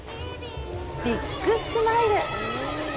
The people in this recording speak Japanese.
ビッグスマイル。